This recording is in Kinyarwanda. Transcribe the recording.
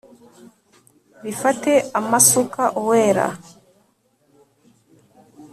Bifate amasuka Uwera